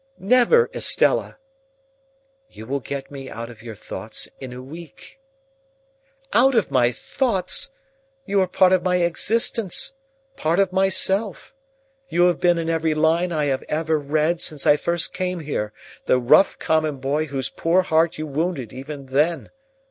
"Never, Estella!" "You will get me out of your thoughts in a week." "Out of my thoughts! You are part of my existence, part of myself. You have been in every line I have ever read since I first came here, the rough common boy whose poor heart you wounded even then.